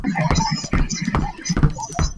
Yenyamidde olw'ebyafaayo bya ssemazinga Afirika